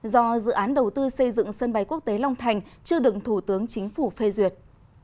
do dự án đầu tư xây dựng sân bay quốc tế long thành chưa đựng thủ tướng chính phủ phê duyệt